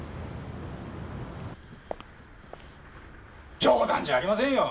冗談じゃありませんよ！